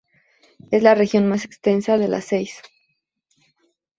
Es la región más extensa de las seis.